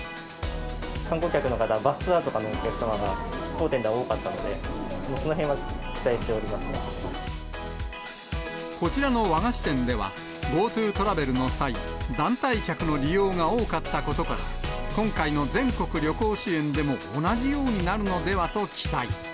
観光客の方、バスツアーとかのお客様が、当店では多かったので、こちらの和菓子店では、ＧｏＴｏトラベルの際、団体客の利用が多かったことから、今回の全国旅行支援でも同じようになるのではと期待。